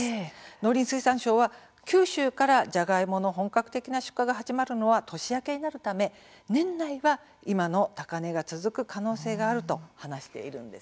農林水産省は九州からじゃがいもの本格的な出荷が始まるのは年明けになるため年内は今の高値が続く可能性があると話しているんです。